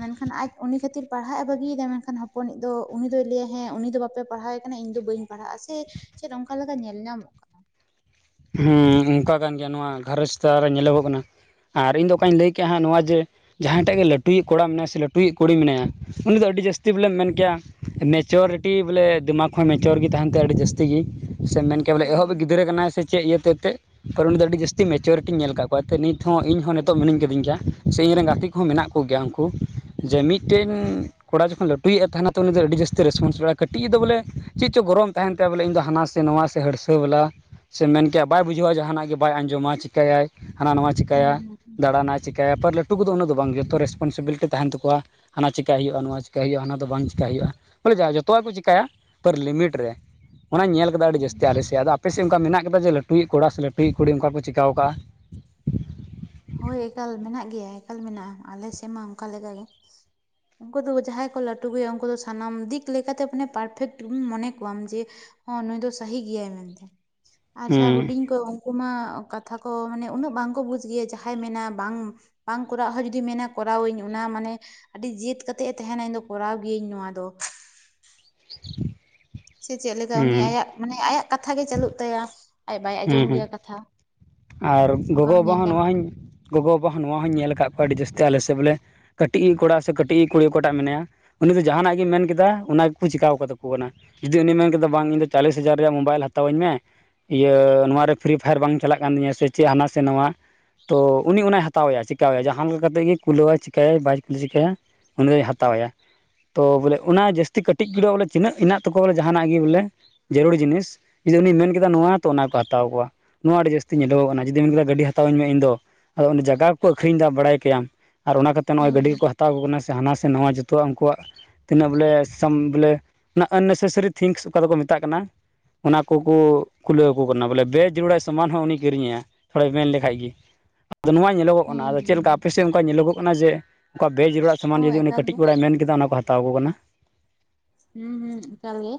ᱢᱮᱱᱠᱷᱟᱱ ᱟᱡ ᱩᱱᱤ ᱠᱷᱟᱹᱛᱤᱨ ᱯᱟᱲᱦᱟᱜᱼ ᱮ ᱵᱟᱹᱜᱤᱭᱮᱫᱟᱭ ᱢᱮᱱᱠᱷᱟᱱ ᱦᱚᱯᱚᱱᱤᱡ ᱫᱚ ᱩᱱᱤ ᱫᱚᱭ ᱞᱟᱹᱭᱟ ᱦᱮᱸ ᱩᱱᱤ ᱫᱚ ᱵᱟᱯᱮ ᱯᱟᱲᱦᱟᱣᱼᱼ ᱠᱟᱱᱟ ᱤᱧ ᱫᱚ ᱵᱟᱹᱧ ᱯᱟᱲᱦᱟᱜᱼᱟ ᱥᱮ ᱪᱮᱫ ᱚᱱᱠᱟ ᱞᱮᱠᱟ ᱧᱮᱞ ᱧᱟᱢᱚᱜᱼᱟ᱾ ᱦᱮᱸ ᱚᱱᱠᱟ ᱠᱟᱱ ᱜᱮᱭᱟ ᱱᱚᱣᱟ ᱜᱷᱟᱨᱚᱡᱽ ᱪᱮᱛᱟᱱ ᱨᱮ ᱧᱮᱞᱚᱜᱚᱜ ᱠᱟᱱᱟ᱾ ᱟᱨ ᱤᱧ ᱫᱚ ᱚᱠᱟᱧ ᱞᱟᱹᱭ ᱠᱮᱜᱼᱟᱜ ᱱᱚᱣᱟ ᱡᱮ ᱡᱟᱦᱟᱸᱭ ᱴᱟᱜ ᱜᱮ ᱞᱟᱹᱴᱩᱭᱤᱡ ᱠᱚᱲᱟ ᱢᱮᱱᱟᱭᱟ ᱥᱮ ᱞᱟᱹᱴᱩᱭᱤᱡ ᱠᱩᱲᱤ ᱢᱮᱱᱟᱭᱟᱼᱼ ᱩᱱᱤ ᱫᱚ ᱟᱹᱰᱤ ᱡᱟᱹᱥᱛᱤ ᱵᱚᱞᱮ ᱢᱮᱱ ᱠᱮᱭᱟᱼᱼ ᱢᱮᱪᱚᱨᱤᱴᱤ ᱵᱚᱞᱮ ᱫᱤᱢᱟᱠ ᱦᱚᱸ ᱢᱮᱪᱳᱨ ᱜᱮ ᱛᱟᱦᱮᱱ ᱛᱟᱭᱟ ᱟᱹᱰᱤ ᱡᱟᱹᱥᱛᱤ ᱜᱮ ᱥᱮ ᱢᱮᱱᱼᱼ ᱠᱮᱵᱚᱞᱮ ᱮᱦᱚᱵᱮ ᱦᱮᱸ ᱜᱤᱫᱽᱨᱟᱹ ᱠᱟᱱᱟᱭ ᱥᱮ ᱪᱮᱫ ᱤᱭᱟᱹᱛᱮ ᱛᱮᱫᱼᱼ ᱠᱟᱨᱚᱱ ᱩᱱᱤ ᱫᱚ ᱟᱹᱰᱤ ᱡᱟᱹᱛᱤ ᱢᱮᱪᱩᱨᱤᱴᱤᱧ ᱧᱮᱞ ᱟᱠᱟᱫ ᱠᱚᱣᱟ ᱱᱤᱛ ᱦᱚᱸ ᱤᱧ ᱦᱚᱸ ᱱᱤᱛᱚᱜ ᱢᱤᱱᱟᱹᱧ ᱠᱟᱹᱫᱤᱧ ᱜᱮᱭᱟ ᱥᱮ ᱤᱧ ᱨᱮᱱ ᱜᱟᱛᱮ ᱠᱚᱼᱼ ᱦᱚᱸ ᱢᱮᱱᱟᱜ ᱠᱚᱜᱮᱭᱟ ᱩᱱᱠᱩ ᱡᱮ ᱢᱤᱫᱴᱮᱱᱼᱼ ᱠᱚᱲᱟ ᱡᱚᱠᱷᱚᱱ ᱞᱟᱴᱩᱭᱤᱡ ᱛᱟᱦᱮᱱᱟ ᱩᱱᱤ ᱫᱚ ᱟᱹᱰᱤ ᱡᱟᱹᱥᱛᱤ ᱨᱮᱥᱯᱚᱱᱥ ᱦᱩᱭᱩᱜᱼᱟ ᱠᱟᱹᱴᱤᱡ ᱫᱚ ᱵᱚᱞᱮ ᱪᱮᱫ ᱪᱚᱝ ᱜᱚᱨᱚᱢ ᱛᱟᱦᱮᱱᱼᱼ ᱪᱟᱜ ᱵᱚᱞᱮ ᱤᱧ ᱫᱚ ᱦᱟᱱᱟ ᱥᱮ ᱱᱚᱣᱟ ᱥᱮ ᱦᱟᱹᱲᱥᱟᱹ ᱵᱟᱞᱟᱼᱼ ᱥᱮ ᱢᱮᱱ ᱠᱮᱜᱼᱟ ᱵᱟᱭ ᱵᱩᱡᱷᱟᱹᱣᱟ ᱡᱟᱦᱟᱱᱟᱜ ᱜᱮ ᱵᱟᱭ ᱟᱸᱡᱚᱢᱟ ᱪᱤᱠᱟᱹᱭᱟᱭ ᱦᱟᱱᱟ ᱱᱟᱣᱟ ᱪᱤᱠᱟᱹᱭᱟ ᱦᱮᱸ ᱦᱮᱸ ᱫᱟᱲᱟᱱᱟᱼᱼ ᱪᱤᱠᱟᱭᱟᱯᱟᱨ ᱞᱟᱹᱴᱩ ᱠᱚᱫᱚ ᱩᱱᱟᱹᱜ ᱵᱟᱝ ᱡᱚᱛᱚ ᱨᱮᱥᱯᱚᱱᱥᱤᱵᱤᱞᱤᱴᱤ ᱛᱟᱦᱮᱱ ᱛᱟᱠᱚᱣᱟ ᱦᱟᱱᱟᱼ ᱪᱮᱠᱟᱹᱭ ᱦᱩᱭᱩᱜᱼᱟ ᱱᱚᱣᱟ ᱪᱮᱠᱟ ᱦᱩᱭᱩᱜᱼᱟ ᱦᱟᱱᱟ ᱫᱚ ᱵᱟᱝ ᱪᱮᱠᱟ ᱦᱩᱭᱩᱜᱼᱟ ᱵᱚᱞᱮ ᱡᱚᱛᱚᱣᱟᱜ ᱠᱚ ᱪᱮᱟᱭᱟ ᱯᱟᱨ ᱞᱤᱢᱤᱴ ᱨᱮ᱾ ᱚᱱᱟ ᱧᱮᱞ ᱠᱮᱫᱟ ᱟᱹᱰᱤ ᱡᱟᱹᱥᱛᱤ ᱟᱞᱮᱥᱮᱫ ᱟᱫᱚ ᱟᱯᱮᱥᱮᱫ ᱚᱱᱠᱟ ᱢᱮᱱᱟᱜ ᱠᱮᱫᱟ ᱡᱮ ᱞᱟᱹᱴᱩᱭᱤᱡ ᱠᱚᱲᱟ ᱥᱮ ᱞᱟᱴᱩᱭᱤᱡ ᱠᱩᱲᱤ ᱚᱱᱠᱟ ᱠᱚ ᱪᱤᱠᱟ ᱟᱠᱚᱣᱟ᱾ ᱦᱳᱭ ᱮᱠᱟᱞ ᱢᱮᱱᱟᱜ ᱜᱮᱭᱟ ᱮᱠᱟᱞ ᱢᱮᱱᱟᱜᱼᱟ ᱟᱞᱮ ᱥᱮᱫ ᱢᱟ ᱚᱱᱠᱟ ᱞᱮᱠᱟᱜ ᱜᱮ᱾ ᱩᱱᱠᱩ ᱫᱚ ᱡᱟᱦᱟᱸᱭ ᱠᱚ ᱞᱟᱹᱴᱩ ᱜᱮᱩᱭᱟ ᱩᱱᱠᱩ ᱫᱚ ᱥᱟᱱᱟᱢ ᱫᱤᱠ ᱞᱮᱠᱟᱛᱮ ᱢᱟᱱᱮ ᱯᱟᱨᱯᱷᱮᱠᱴ ᱢᱚᱱᱮ ᱠᱚᱣᱟᱢ ᱡᱮᱼᱼ ᱦᱚᱸ ᱱᱩᱭ ᱫᱚ ᱥᱟᱹᱟᱦᱤ ᱜᱮᱭᱟᱭ ᱢᱮᱱᱛᱮ᱾ ᱟᱨ ᱡᱟᱦᱟᱸ ᱦᱮᱸ ᱦᱩᱰᱤᱧ ᱠᱚ ᱩᱱᱠᱩ ᱢᱟ ᱠᱟᱛᱷᱟ ᱠᱚ ᱢᱟᱱᱮ ᱩᱱᱟᱹᱜ ᱵᱟᱝᱠᱚ ᱵᱩᱡ ᱜᱮᱭᱟ ᱡᱟᱦᱟᱸᱼᱼ ᱡᱟᱦᱟᱸᱭ ᱢᱮᱱᱟ ᱵᱟᱝ ᱵᱟᱝ ᱠᱚᱨᱟᱣ ᱦᱚᱸ ᱡᱩᱫᱤ ᱢᱮᱱᱟ ᱠᱚᱨᱟᱣ ᱟᱹᱧ ᱚᱱᱟ ᱢᱟᱱᱮᱼᱼ ᱟᱹᱰᱤ ᱡᱟᱹᱛ ᱠᱟᱛᱮ ᱮ ᱛᱟᱦᱮᱱᱟ ᱤᱧ ᱫᱚ ᱠᱚᱨᱟᱣ ᱜᱤᱭᱟᱹᱧ ᱱᱚᱣᱟ ᱫᱚ᱾ [inaudible] ᱥᱮ ᱪᱮᱫ ᱞᱮᱠᱟ ᱦᱮᱸ ᱩᱱᱤ ᱟᱭᱟᱜ ᱢᱟᱱᱮ ᱟᱭᱟᱜ ᱠᱟᱛᱷᱟ ᱜᱮ ᱪᱟᱹᱞᱩᱜ ᱛᱟᱭᱟ᱾ ᱟᱡ ᱵᱟᱭ ᱟᱸᱡᱚᱢ ᱦᱮᱸ ᱦᱮᱸ ᱜᱮᱭᱟ ᱠᱟᱛᱷᱟ᱾ ᱟᱨ ᱚᱱᱠᱟ ᱜᱚᱜᱚ ᱵᱟᱵᱟ ᱧᱮᱞ ᱦᱚᱸ ᱧᱟᱢᱚᱜ ᱱᱚᱣᱟᱧ ᱠᱟᱱᱟ ᱜᱚᱜᱚ ᱵᱟᱵᱟ ᱦᱚᱸ ᱱᱚᱣᱟ ᱦᱚᱧ ᱧᱮᱞ ᱟᱠᱟᱫ ᱠᱚᱣᱟ ᱟᱹᱰᱤ ᱡᱟᱹᱥᱛᱤ ᱟᱞᱮ ᱥᱮ ᱵᱚᱞᱮᱼᱼ ᱠᱟᱹᱴᱤᱡ ᱠᱚᱲᱟ ᱥᱮ ᱠᱟᱹᱴᱤᱡ ᱠᱩᱲᱤ ᱚᱠᱟᱴᱟᱜ ᱢᱮᱱᱟᱭᱟᱼᱼ ᱩᱱᱤ ᱫᱚ ᱡᱟᱦᱟᱱᱟᱜ ᱜᱮ ᱢᱮᱱ ᱠᱮᱫᱟ ᱚᱱᱟ ᱜᱮᱠᱚ ᱪᱤᱠᱟᱹᱣ ᱠᱟᱛᱟ ᱠᱚ ᱠᱟᱱᱟ᱾ ᱡᱩᱫᱤ ᱩᱱᱤᱭ ᱢᱮᱱ ᱠᱮᱫᱟ ᱵᱟᱝ ᱤᱧ ᱫᱚ ᱪᱟᱞᱤᱥ ᱦᱟᱡᱟᱨ ᱨᱮᱭᱟᱜ ᱢᱳᱵᱟᱭᱤᱞ ᱦᱟᱛᱟᱣ ᱟᱹᱧ ᱢᱮ ᱤᱭᱟᱹ ᱱᱚᱣᱟ ᱨᱮ ᱯᱷᱨᱤ ᱯᱷᱟᱭᱟᱨ ᱵᱟᱝ ᱪᱟᱞᱟᱜ ᱠᱟᱱᱟ᱾ ᱠᱟᱱ ᱛᱤᱧᱟᱹ ᱥᱮ ᱪᱮᱫ ᱦᱟᱱᱟ ᱥᱮ ᱱᱚᱣᱟᱼᱼ ᱛᱚ ᱩᱱᱤ ᱚᱱᱟᱭ ᱦᱟᱛᱟᱣ ᱟᱭᱟ ᱪᱮᱠᱟᱭᱮᱭᱟ ᱡᱟᱦᱟᱸ ᱞᱮᱠᱟ ᱠᱟᱛᱮᱫ ᱜᱮ ᱠᱩᱞᱟᱹᱣᱟᱭ ᱪᱤᱠᱟᱹᱭᱟᱭ ᱵᱟᱭ ᱠᱩᱞᱟᱹ ᱪᱤᱠᱟᱹᱭᱟ᱾ ᱩᱱᱤ ᱫᱚᱭ ᱦᱟᱛᱟᱣᱟ᱾ ᱛᱚ ᱵᱚᱞᱮ ᱚᱱᱟ ᱡᱟᱹᱥᱛᱤ ᱠᱟᱹᱴᱤᱡ ᱜᱟᱹ ᱵᱚᱞᱮ ᱛᱤᱱᱟᱹᱜ ᱦᱮᱱᱟᱜ ᱛᱟᱣᱟ ᱵᱚᱞᱮ ᱡᱟᱦᱟᱱᱟᱜ ᱜᱮ ᱵᱚᱞᱮ᱾ ᱡᱟᱹᱨᱩᱲ ᱡᱤᱱᱤᱥ ᱡᱩᱫᱤ ᱩᱱᱤᱭ ᱢᱮᱱ ᱠᱮᱫᱟ ᱱᱚᱣᱟ ᱛᱚ ᱚᱱᱟ ᱠᱚ ᱦᱟᱛᱟᱣ ᱠᱚᱣᱟ ᱱᱚᱣᱟ ᱟᱹᱰᱤ ᱡᱟᱹᱥᱛᱤᱼᱼ ᱧᱮᱞᱚᱜ ᱠᱟᱱᱟ ᱡᱩᱫᱤ ᱢᱮᱱ ᱠᱮᱫᱟ ᱜᱟᱹᱰᱤ ᱦᱟᱛᱟᱣ ᱟᱹᱧ ᱢᱮ ᱤᱧ ᱫᱚ ᱟᱫᱚ ᱚᱸᱰᱮ ᱡᱟᱭᱜᱟ ᱠᱚ ᱟᱹᱷᱨᱤᱧ ᱮᱫᱟ ᱵᱟᱲᱟᱭ ᱠᱟᱭᱟᱢ ᱟᱨ ᱚᱱᱟᱛᱤᱨᱼᱼ ᱱᱚᱜᱼᱚᱭ ᱦᱩᱸ ᱦᱩᱸ ᱜᱟᱹᱰᱤ ᱠᱚ ᱦᱟᱛᱟᱣ ᱟᱠᱚ ᱠᱟᱱᱟ ᱥᱮ ᱦᱟᱱᱟ ᱥᱮ ᱱᱟᱣᱟ ᱡᱚᱛᱚᱣᱟᱜ ᱩᱱᱠᱩᱣᱟᱜᱼᱼ ᱛᱤᱱᱟᱹᱜ ᱵᱚᱞᱮ ᱥᱟᱢ ᱵᱚᱞᱮ ᱚᱱᱟ ᱟᱱᱱᱮᱥᱮᱥᱟᱨᱤ ᱛᱷᱤᱝᱥ ᱚᱠᱟ ᱫᱚᱠᱚ ᱢᱮᱛᱟᱜ ᱠᱟᱱᱟᱼᱼ ᱚᱱᱟ ᱠᱚᱠᱚ ᱠᱩᱞᱟᱹᱣ ᱟᱠᱚ ᱠᱟᱱᱟ ᱵᱚᱞᱮ ᱵᱮ ᱡᱩᱲᱟ ᱥᱟᱢᱟᱱ ᱦᱚᱸ ᱩᱱᱤᱼᱼ ᱠᱤᱨᱤᱧᱮᱭᱟ ᱛᱷᱚᱲᱟᱭ ᱢᱮᱱ ᱞᱮᱠᱷᱟᱡ ᱜᱮ᱾ ᱟᱫᱚ ᱱᱚᱣᱟ ᱧᱮᱞᱚᱜᱚᱜ ᱠᱟᱱᱟ ᱦᱩᱸ ᱟᱫᱚ ᱪᱮᱫᱠᱟ ᱟᱯᱮ ᱦᱩᱸ ᱥᱮᱫ ᱚᱱᱠᱟ ᱧᱮᱞᱚᱜᱚᱜ ᱠᱟᱱᱟ ᱡᱮᱼᱼ ᱚᱠᱟ ᱵᱮᱡᱽ ᱨᱮᱭᱟᱜᱟᱜ ᱥᱟᱢᱟᱱ ᱦᱚᱸ ᱡᱩᱫᱤ ᱩᱱᱤ ᱮᱠᱟᱞ ᱜᱮ ᱠᱟᱹᱴᱤᱡ ᱠᱩᱲᱟᱭ ᱢᱮᱱ ᱠᱮᱫᱟ ᱚᱱᱟ ᱠᱚ ᱦᱟᱛᱟᱣ ᱟᱠᱚ ᱠᱟᱱᱟ᱾ ᱦᱩᱸ ᱦᱩᱸ ᱮᱠᱟᱞ ᱜᱮ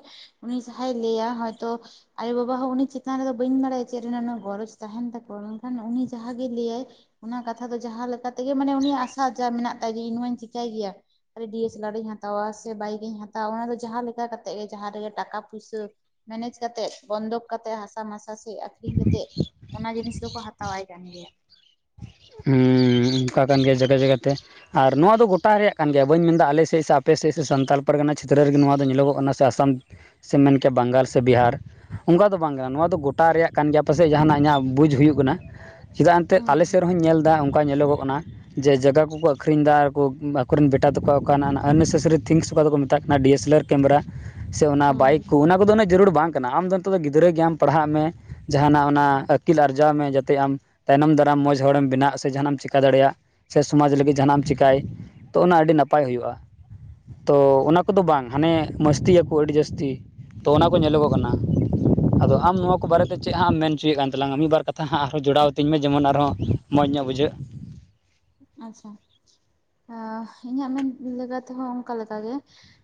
ᱩᱱᱤ ᱡᱟᱦᱟᱸᱭ ᱞᱟᱹᱭᱟ ᱦᱚᱭᱛᱚᱼᱼ ᱟᱭᱳ ᱵᱟᱵᱟ ᱦᱚᱸ ᱩᱱᱤ ᱪᱮᱛᱟᱱ ᱨᱮᱫᱚ ᱵᱟᱹᱧ ᱵᱟᱲᱟᱭᱟ ᱪᱮᱫ ᱨᱮᱱᱟᱜ ᱩᱱᱟᱹᱜ ᱜᱚᱨᱚᱡᱽ ᱛᱟᱦᱮᱱ ᱛᱟᱠᱚᱣᱟ ᱢᱮᱱᱠᱷᱟᱱ ᱩᱱᱤ ᱡᱟᱦᱟᱸ ᱜᱮᱭ ᱞᱟᱹᱭᱟᱭᱼᱼ ᱚᱱᱟ ᱠᱟᱛᱷᱟ ᱫᱚ ᱡᱟᱦᱟᱸ ᱞᱮᱠᱟ ᱛᱮᱜᱮ ᱢᱟᱱᱮ ᱩᱱᱤᱭᱟᱜ ᱟᱥᱟ ᱡᱟ ᱢᱮᱱᱟᱜ ᱛᱟᱭ ᱜᱮ ᱤᱧ ᱢᱟᱧ ᱪᱮᱤᱠᱟᱹᱭ ᱜᱮᱭᱟ᱾ ᱰᱤᱭᱮᱥᱮᱞᱟᱨ ᱤᱧ ᱦᱟᱛᱟᱣᱟ ᱥᱮ ᱵᱟᱭᱤᱠ ᱤᱧ ᱦᱟᱛᱟᱣᱟ ᱚᱱᱟ ᱫᱚ ᱡᱟᱦᱟᱸ ᱞᱮᱠᱟ ᱠᱟᱛᱮᱜ ᱜᱮ ᱡᱟᱦᱟᱸ ᱨᱮᱜᱮ ᱴᱟᱠᱟ ᱯᱩᱭᱥᱟᱹᱼᱼ ᱢᱮᱱᱮᱡ ᱠᱟᱛᱮᱫ ᱵᱚᱱᱫᱠ ᱠᱟᱛᱮᱜ ᱦᱟᱥᱟ ᱢᱟᱥᱟ ᱥᱮᱼᱼ ᱟᱠᱷᱨᱤᱧ ᱠᱟᱛᱮᱫ ᱚᱱᱟ ᱡᱤᱱᱤᱥ ᱫᱚᱠᱚ ᱦᱟᱛᱟᱣᱟᱭ ᱠᱟᱱ ᱜᱮᱭᱟ᱾ ᱦᱩᱸᱻ ᱚᱱᱠᱟ ᱠᱟᱱ ᱜᱮᱭᱟ ᱡᱟᱭᱜᱟ ᱡᱟᱭᱜᱟ ᱛᱮ᱾ ᱟᱨ ᱱᱚᱣᱟ ᱫᱚ ᱜᱳᱴᱟ ᱨᱮᱭᱟᱜ ᱠᱟᱱ ᱜᱮᱭᱟ ᱵᱟᱹᱧ ᱢᱮᱱᱫᱟ ᱟᱞᱮ ᱥᱮᱫ ᱥᱮ ᱟᱯᱮ ᱥᱮᱫ ᱥᱮ ᱥᱟᱱᱛᱟᱲ ᱯᱟᱨᱜᱟᱱᱟ ᱪᱷᱮᱛᱨᱚ ᱨᱮᱜᱮ ᱱᱚᱣᱟ ᱫᱚ ᱧᱮᱞᱚᱜᱚᱜ ᱠᱟᱱᱟ ᱥᱮ ᱟᱥᱟᱢᱼᱼ ᱥᱮ ᱢᱮᱱ ᱠᱮᱭᱟ ᱵᱟᱝᱜᱟᱞ ᱥᱮ ᱵᱤᱦᱟᱨ ᱚᱱᱠᱟ ᱫᱚ ᱵᱟᱝ ᱠᱟᱱᱟ ᱱᱚᱣᱟ ᱫᱚ ᱜᱚᱴᱟ ᱨᱮᱭᱟᱜ ᱠᱟᱱ ᱜᱮᱭᱟ, ᱯᱟᱥᱮᱡ ᱡᱟᱦᱟᱱᱟᱜ ᱤᱧᱟᱜ ᱵᱩᱡᱽ ᱦᱩᱭᱩᱜ ᱠᱟᱱᱟ ᱪᱮᱫᱟᱜ ᱮᱱᱛᱮ ᱦᱩᱸ ᱟᱞᱮ ᱥ ᱧᱮᱞ ᱮᱫᱟ ᱚᱱᱠᱟ ᱧᱮᱞᱚᱜ ᱠᱟᱱᱟ᱾ ᱡᱮ ᱡᱟᱭᱜᱟ ᱠᱚᱠᱚ ᱟᱹᱠᱷᱨᱤᱧ ᱮᱫᱟ ᱟᱨᱠᱚ ᱟᱠᱚᱨᱮᱱ ᱵᱮᱴᱟ ᱛᱠᱚ ᱚᱠᱟ ᱟᱱᱮᱥᱮᱥᱟᱨᱤ ᱛᱷᱤᱝᱥ ᱚᱠᱟ ᱫᱚᱠᱚ ᱢᱮᱛᱟᱜ ᱠᱟᱱᱟ ᱰᱤ ᱮ ᱥᱮᱞ ᱟᱨ ᱠᱮᱢᱮᱨᱟ ᱥᱮ ᱚᱱᱟ ᱦᱩᱸ ᱵᱟᱭᱤᱠ ᱦᱩᱸ ᱠᱚ ᱚᱱᱟ ᱠᱚᱫᱚ ᱩᱱᱟᱹᱜ ᱡᱟᱹᱨᱩᱲ ᱵᱟᱝ ᱠᱟᱱᱟ, ᱟᱢᱫᱚ ᱱᱤᱛᱚᱜ ᱫᱚ ᱜᱤᱫᱽᱨᱟᱹ ᱜᱮᱭᱟᱢ ᱯᱟᱲᱦᱟᱜ ᱢᱮ ᱡᱟᱦᱟᱱᱟᱜ ᱚᱱᱟ ᱟᱹᱠᱤᱞ ᱟᱨᱡᱟᱣ ᱢᱮ ᱡᱟᱛᱮ ᱟᱢ ᱛᱟᱭᱱᱚᱢ ᱫᱟᱨᱟᱢ ᱢᱚᱡᱽ ᱦᱚᱲᱮᱢ ᱵᱮᱱᱟᱜ ᱥᱮ ᱡᱟᱦᱟᱱᱟᱜ ᱮᱢ ᱪᱮᱠᱟ ᱫᱟᱲᱮᱭᱟᱜ ᱥᱮ ᱥᱚᱢᱟᱡᱽ ᱞᱟᱹᱜᱤᱫ ᱡᱟᱦᱟᱱᱟᱜ ᱮᱢ ᱪᱤᱠᱟᱭ ᱛᱚ ᱚᱱᱟ ᱟᱹᱰᱤ ᱱᱟᱯᱟᱭ ᱦᱩᱭᱩᱜ-ᱟ᱾ ᱛᱚ ᱚᱱᱟ ᱠᱚᱫᱚ ᱵᱟᱝ ᱦᱟᱱᱮ ᱢᱚᱥᱛᱤᱭᱟᱠᱚ ᱟᱹᱰᱤ ᱡᱟᱹᱥᱛᱤ ᱛᱚ ᱚᱱᱟ ᱠᱚ ᱦᱩᱸ ᱧᱮᱞᱚᱜᱚᱜ ᱦᱩᱸ ᱠᱟᱱᱟ ᱦᱩᱸ ᱟᱫᱚ ᱴᱷᱤᱠ ᱟᱢ ᱴᱷᱤᱠ ᱱᱚᱣᱟ ᱠᱚ ᱵᱟᱨᱮᱛᱮ ᱪᱮᱫ ᱦᱟᱸ ᱮᱢ ᱢᱮᱱᱪᱚᱭᱮᱫ ᱠᱟᱱ ᱛᱟᱞᱟᱝ ᱢᱤᱫ ᱵᱟᱨ ᱠᱟᱛᱷᱟ ᱦᱟᱸᱜ ᱟᱨᱦᱚᱸ ᱡᱚᱲᱟᱣᱛᱤᱧ ᱢᱮ ᱡᱮᱢᱚᱱ ᱟᱨᱦᱚᱸ ᱢᱚᱡᱽ ᱧᱚᱜ ᱵᱩᱡᱷᱟᱹᱜ ᱟᱪᱪᱷᱟ, ᱟ ᱤᱧᱟᱹᱜ ᱢᱮᱱ ᱛᱮᱦᱚᱸ ᱚᱱᱠᱟ ᱞᱮᱠᱟ ᱜᱮ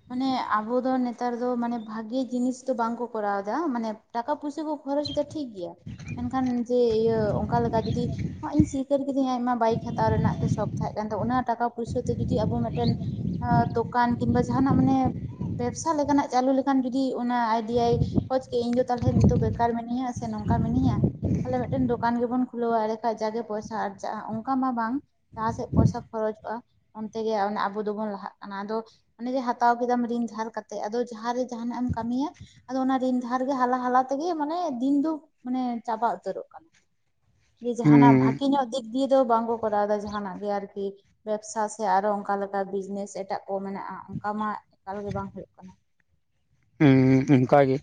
ᱢᱟᱱᱮ ᱟᱵᱚ ᱫᱚ ᱱᱮᱛᱟᱨ ᱫᱚ ᱢᱟᱱᱮ ᱵᱷᱟᱜᱮ ᱡᱤᱱᱤᱥ ᱫᱚ ᱵᱟᱝ ᱠᱚ ᱠᱚᱨᱟᱣ ᱮᱫᱟ ᱢᱟᱱᱮ ᱴᱟᱠᱟ ᱯᱩᱭᱥᱟᱹ ᱠᱚ ᱠᱷᱚᱨᱚᱡᱽ ᱫᱚ ᱴᱷᱤᱠ ᱜᱮᱭᱟ ᱢᱮᱱᱠᱷᱟᱱ ᱡᱮ ᱤᱭᱟᱹ ᱚᱱᱠᱟ ᱞᱮᱠᱟ ᱡᱩᱫᱤ ᱤᱧ ᱥᱤᱠᱟᱹᱨ ᱠᱤᱫᱤᱧ ᱟᱡᱢᱟ ᱵᱟᱭᱤᱠ ᱦᱟ ᱦᱟᱛᱟᱣ ᱨᱮᱱᱟᱜ ᱜᱮ ᱥᱚᱠ ᱛᱟᱦᱮᱸ ᱠᱟᱱ ᱫᱚ ᱚᱱᱟ ᱴᱟᱠᱟ ᱯᱚᱭᱥᱟ ᱛᱮ ᱡᱩᱫᱤ ᱟᱵᱚ ᱢᱤᱫᱴᱮᱱ ᱫᱚᱠᱟᱱ ᱠᱤᱝᱵᱟ ᱡᱟᱦᱟᱱᱟᱜ ᱢᱟᱱᱮ ᱵᱮᱵᱥᱟ ᱞᱮᱠᱟᱱᱟᱜ ᱪᱟᱹᱞᱩ ᱞᱮᱠᱷᱟᱱ ᱡᱩᱫᱤ ᱚᱱᱟ ᱟᱭᱰᱤᱭᱟᱭ ᱠᱷᱡᱽ ᱠᱮ ᱤᱧ ᱫᱚ ᱛᱟᱦᱚᱞᱮ ᱱᱤᱛᱚᱜ ᱵᱮᱠᱟᱨ ᱢᱤᱱᱟᱹᱧᱟ ᱥᱮ ᱱᱚᱝᱠᱟ ᱢᱤᱱᱟᱹᱧᱟ ᱛᱟᱦᱮ ᱢᱤᱫᱴᱮᱱ ᱫᱚᱠᱟᱱ ᱜᱮᱵᱚᱱ ᱠᱷᱩᱞᱟᱹᱣᱟᱭ ᱞᱮᱠᱷᱟᱱ ᱡᱟᱜᱮ ᱯᱚᱭᱥᱟ ᱟᱨᱡᱟᱜᱼᱟ ᱚᱱᱠᱟ ᱢᱟ ᱵᱟᱝ ᱡᱟᱦᱟᱸ ᱥᱮᱫ ᱯᱚᱭᱥᱟ ᱠᱷᱚᱨᱚᱪᱚᱜᱼᱟ ᱚᱱᱛᱮ ᱜᱮ ᱟᱵᱚ ᱫᱚᱵᱚᱱ ᱞᱟᱦᱟᱜ ᱠᱟᱱᱟ ᱟᱫᱚ ᱚᱱᱮ ᱡᱮ ᱦᱟᱛᱟᱣ ᱠᱮᱫᱟᱢ ᱨᱤᱱ ᱫᱷᱟᱨ ᱠᱟᱛᱮᱜ ᱟᱫᱚ ᱡᱟᱦᱟᱸ ᱨᱮ ᱡᱟᱦᱟᱱᱟᱜ ᱮᱢ ᱠᱟᱹᱢᱤᱭᱟ ᱟᱫᱚ ᱚᱱᱟ ᱨᱤᱱ ᱫᱟᱷᱟᱨ ᱜᱮ ᱦᱟᱞᱟ ᱦᱟᱞᱟ ᱛᱮᱜᱮ ᱢᱟᱱᱮ ᱫᱤᱱ ᱫᱚ ᱢᱟᱱᱮ ᱪᱟᱵᱟ ᱩᱛᱟᱹᱨᱚᱜ ᱠᱟᱱᱟ ᱡᱮ ᱡᱟᱦᱱᱟᱜ ᱦᱩᱸ ᱵᱷᱟᱜᱮ ᱧᱚᱜ ᱫᱤᱠ ᱫᱤᱭᱮ ᱫᱚ ᱵᱟᱝ ᱠᱚ ᱠᱚᱨᱟᱣ ᱮᱫᱟ ᱡᱟᱦᱱᱟᱜ ᱜᱮ ᱟᱨᱠᱤ ᱵᱮᱵᱥᱟ ᱥᱮ ᱟᱨᱚ ᱚᱱᱠᱟ ᱞᱮᱠᱟ ᱵᱤᱡᱽᱱᱮᱥ ᱮᱴᱟᱜ ᱠᱚ ᱢᱮᱱᱟᱜᱼᱟ, ᱚᱱᱠᱟ ᱢᱟ ᱮᱠᱟᱞᱜᱮ ᱵᱟᱝ ᱦᱩᱭᱩᱜ ᱠᱟᱱᱟ᱾ ᱦᱩᱸ ᱦᱮᱸ ᱚᱱᱠᱟ ᱜᱮ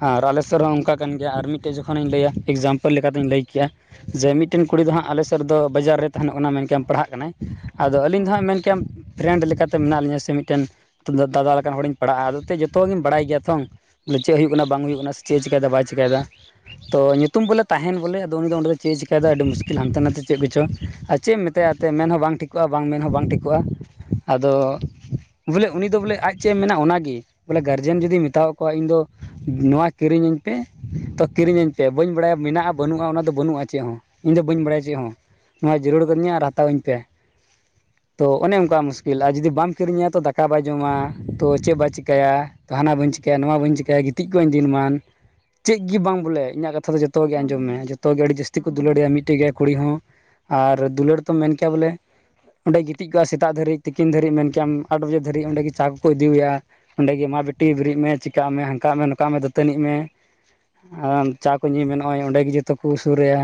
ᱟᱨ ᱟᱞᱮᱥᱩᱨ ᱨᱮ ᱦᱚᱸ ᱚᱱᱠᱟ ᱠᱟᱱ ᱜᱮᱭᱟ ᱟᱨ ᱢᱤᱫᱴᱮᱡ ᱡᱚᱠᱷᱚᱱᱤᱧ ᱞᱟᱹᱭᱟ ᱮᱠᱡᱟᱢᱯᱮᱞ ᱞᱮᱠᱟᱛᱤᱧ ᱞᱟᱹᱭ ᱠᱮᱭᱟ ᱾ ᱡᱮ ᱢᱤᱫᱴᱮᱱ ᱠᱩᱲᱤ ᱫᱚ ᱦᱟᱸᱜ ᱟᱞᱮ ᱥᱮᱫ ᱨᱮ ᱫᱚ ᱵᱟᱡᱟᱨ ᱨᱮ ᱛᱟᱦᱮᱱᱚᱜ ᱠᱟᱱᱟ ᱢᱮᱱᱠᱷᱟᱱ ᱯᱟᱲᱦᱟᱜ ᱠᱟᱱᱟᱭ᱾ ᱟᱫᱚ ᱟᱹᱞᱤᱧ ᱫᱚ ᱦᱟᱸᱜ ᱦᱩᱸ ᱢᱮᱱ ᱠᱮᱭᱟᱼᱼ ᱯᱷᱨᱮᱱᱰ ᱞᱮᱠᱟᱛᱮ ᱢᱮᱱᱟᱜ ᱞᱤᱧᱟᱹ ᱥᱮ ᱢᱤᱫ ᱴᱮᱱ ᱫᱟᱫᱟ ᱞᱮᱠᱟᱱ ᱦᱚᱲᱤᱧ ᱯᱟᱲᱟᱜᱼᱟ, ᱟᱫᱚ ᱡᱚᱛᱚᱜ ᱜᱮᱧ ᱵᱟᱲᱟᱭ ᱜᱮᱭᱟ ᱛᱚᱝ ᱵᱚᱞᱮ ᱪᱮᱫ ᱦᱩᱭᱩᱜ ᱠᱟᱱᱟ ᱵᱟᱝ ᱦᱩᱭᱩᱜ ᱠᱟᱱᱟ ᱥᱮ ᱪᱮᱫ ᱮ ᱪᱤᱠᱟᱹ ᱮᱫᱟ ᱵᱟᱭ ᱪᱤᱠᱟᱹ ᱮᱫᱟ ᱛᱚ ᱧᱩᱛᱩᱢ ᱵᱚᱞᱮ ᱛᱟᱦᱮᱱ ᱵᱚᱞᱮ ᱟᱫᱚ ᱩᱱᱤ ᱛᱚ ᱛᱚ ᱛᱚ ᱧᱩᱛᱩᱢ ᱵᱚᱞᱮ ᱛᱟᱦᱮᱱ ᱟᱫᱚ ᱩᱱᱤ ᱫᱚ ᱚᱸᱰᱮ ᱪᱮᱫ ᱮ ᱪᱤᱠᱟ. ᱭᱮᱫᱟ ᱟᱹᱰᱤ ᱢᱩᱥᱠᱤᱞ ᱦᱟᱱᱛᱮ ᱱᱟᱛᱮ ᱪᱮᱫ ᱠᱚᱪᱚ ᱟᱨ ᱪᱮᱫ ᱢᱮ [unintelligible] ᱟᱛᱮ ᱢᱮᱱ ᱦᱚᱸ ᱵᱟᱝ ᱴᱷᱤᱠᱚᱜᱼᱟ ᱵᱟᱝ ᱢᱮᱱ ᱦᱚᱸ ᱵᱟᱝ ᱴᱷᱤᱠᱚᱜᱼᱟ ᱟᱫᱚᱼᱼ ᱵᱚᱞᱮ ᱩᱱᱤ ᱫᱚ ᱵᱚᱞᱮ ᱟᱡ ᱪᱮᱫ ᱮ ᱢᱮᱱᱟ ᱚᱱᱟᱜᱮ ᱵᱚᱞᱮ ᱜᱟᱨᱡᱮᱱ ᱡᱚᱫᱤᱭ ᱢᱮᱛᱫ ᱠᱚᱣᱟ ᱤᱧ ᱫᱚᱼᱼ ᱱᱚᱣᱟ ᱠᱤᱨᱤᱧᱟᱹᱧ ᱯᱮ ᱛᱚ ᱠᱤᱨᱤᱧ ᱟᱹᱧ ᱯᱮ ᱵᱟᱹᱧ ᱵᱟᱲᱟᱭᱟ ᱢᱮᱱᱟᱜᱼᱟ ᱵᱟᱹᱱᱩᱜᱼᱟ ᱚᱱᱟᱫᱚ ᱵᱟᱹᱱᱩᱜᱼᱟ ᱪᱮᱫ ᱦᱚᱸ ᱤᱧ ᱫᱚ ᱵᱟᱹᱧ ᱵᱟᱲᱟᱭᱟ ᱪᱮᱫ ᱦᱚᱸ᱾ ᱱᱚᱣᱟ ᱡᱟᱹᱨᱩᱲ ᱠᱟᱹᱫᱤᱧᱟ ᱟᱨ ᱦᱟᱛᱟᱣ ᱟᱹᱧ ᱯᱮ ᱛᱚ ᱚᱱᱮ ᱚᱱᱠᱟ ᱢᱩᱥᱠᱤᱞ ᱟᱨ ᱡᱩᱫᱤ ᱵᱟᱢ ᱠᱤᱨᱤᱧᱟ ᱛᱚ ᱫᱟᱠᱟ ᱵᱟᱭ ᱡᱚᱢᱟ ᱛᱚ ᱪᱮᱫ ᱵᱟᱭ ᱪᱤᱠᱟ. ᱭᱟ᱾ ᱛᱟᱦᱟᱱᱟ ᱵᱟᱹᱧ ᱪᱤᱠᱟᱹᱭᱟ, ᱱᱚᱣᱟ ᱵᱟᱹᱧ ᱪᱤᱠᱟᱹᱭᱟ, ᱜᱤᱛᱤᱡ ᱠᱚᱜ ᱟᱹᱧ ᱫᱤᱱ ᱢᱟᱱ, ᱪᱮᱫ ᱜᱮ ᱵᱟᱝ ᱵᱚᱞᱮ ᱤᱧᱟᱹᱜ ᱠᱟᱛᱷᱟ ᱫᱚ ᱡᱚᱛ ᱡᱚᱛᱚ ᱜᱮ ᱟᱸᱡᱚᱢ ᱢᱮ ᱦᱩᱸ ᱡᱚᱛᱚ ᱜᱮ ᱟᱹᱰᱤ ᱡᱟᱹᱥᱛᱤ ᱠᱚ ᱦᱩᱸ ᱫᱩᱞᱟᱹᱲᱮᱭᱟ ᱢᱤᱫᱴᱮᱡ ᱜᱮᱭᱟ ᱠᱩᱲᱤ ᱦᱚᱸ ᱟᱨ ᱫᱩᱞᱟᱹᱲ ᱛᱚ ᱢᱮᱱ ᱠᱮᱭᱟ ᱵᱚᱞᱮᱼᱼ ᱚᱸᱰᱮ ᱜᱤᱛᱤᱡ ᱠᱚᱜᱼᱟ ᱥᱮᱛᱟᱜ ᱫᱷᱟᱹᱨᱤᱡ ᱛᱤᱠᱤᱱ ᱫᱷᱟᱹᱨᱤᱡ ᱢᱮᱱ ᱠᱮᱭᱟᱢ ᱟᱴ ᱵᱟᱡᱮ ᱫᱷᱟᱹᱨᱤᱡ ᱚᱸᱰᱮ ᱜᱮ ᱪᱟ ᱠᱚᱠᱚ ᱤᱫᱤᱮᱭᱟ ᱾ ᱚᱸᱰᱮ ᱜᱮ ᱢᱟ ᱵᱤᱴᱤ ᱵᱮᱨᱮᱫ ᱢᱮ ᱪᱤᱠᱟᱹᱜ ᱢᱮ ᱦᱟᱱᱠᱟᱜ ᱢᱮ ᱱᱚᱝᱠᱟᱜ ᱢᱮ ᱫᱟᱹᱛᱟᱹᱱᱤᱜ ᱢᱮ ᱾ ᱟᱨ ᱪᱟ ᱠᱚ ᱧᱩ ᱢᱮ ᱱᱚᱜᱼᱚᱭ ᱚᱸᱰᱮ ᱜᱮ ᱡᱚᱛᱚ ᱠᱚ ᱥᱩᱨᱟᱭᱟ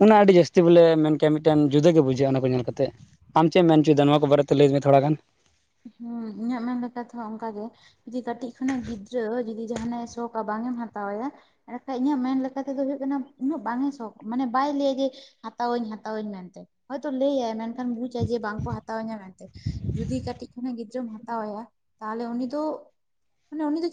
ᱚᱱᱟ ᱟᱹᱰᱤ ᱴᱷᱤᱠ ᱡᱟᱹᱥᱛᱤ ᱵᱚᱞᱮ ᱢᱮᱱᱼᱼ ᱮ ᱢᱤᱫ ᱴᱮᱱ ᱡᱩᱫᱟᱹ ᱜᱮ ᱵᱩᱡᱷᱟᱹᱜᱼᱟ ᱚᱱᱟ ᱠᱚ ᱧᱮᱞ ᱠᱟᱛᱮ ᱟᱢ ᱪᱮᱫ ᱮᱢ ᱢᱮᱱᱪᱚᱭᱮᱫᱟ ᱱᱚᱣᱟ ᱠᱚ ᱵᱟᱨᱮᱛᱮ ᱞᱟᱹᱭ ᱢᱮ ᱛᱷᱚᱲᱟ ᱜᱟᱱ ᱾ ᱦᱮᱸ ᱤᱧᱟᱜ ᱢᱮᱱ ᱞᱮᱠᱟ ᱛᱮᱦᱚᱸ ᱚᱱᱠᱟ ᱜᱮ ᱾ ᱡᱩᱫᱤ ᱠᱟᱹᱴᱤᱡ ᱠᱷᱚᱱᱟᱜ ᱜᱤᱫᱽᱨᱟᱹ ᱡᱩᱫᱤ ᱡᱟᱦᱟᱱᱟᱜ ᱮ ᱥᱚᱜᱼ ᱟ ᱵᱟᱝ ᱮᱢ ᱦᱟᱛᱟᱣᱟ ᱾ ᱮᱰᱮᱠᱷᱟᱡ ᱤᱧᱟᱹᱜ ᱢᱮᱱ ᱞᱮᱠᱟ ᱛᱮᱫᱚ ᱦᱩᱭᱩᱜ ᱠᱟᱱᱟ ᱩᱱᱟᱹᱜ ᱵᱟᱝ ᱮ ᱥᱚᱠ ᱢᱟᱱᱮ ᱵᱟᱭ ᱞᱟᱹᱭᱟ ᱡᱮ ᱦᱟᱛᱟᱣᱟᱹᱧ ᱦᱟᱛᱟᱣᱟᱹᱧ ᱢᱮᱱᱛᱮ ᱦᱚᱭᱛᱳ ᱞᱟᱹᱭᱟᱭ ᱢᱮᱱᱠᱷᱟᱱ ᱵᱩᱡᱟᱭ ᱡᱮ ᱵᱟᱝᱠᱚ ᱦᱟᱛᱟᱣᱟᱹᱧᱟ ᱢᱮᱱᱛᱮ ᱾ ᱡᱩᱫᱤ ᱠᱟᱹᱴᱤᱡ ᱠᱷᱚᱱᱟᱜ ᱜᱤᱫᱽᱨᱟᱹᱢ ᱦᱟᱛᱟᱣ ᱟᱭᱟ ᱛᱟᱦᱚᱞᱮ ᱩᱱᱤ ᱫᱚ ᱢᱟᱱᱮ ᱩᱱᱤ ᱫᱚᱼᱼ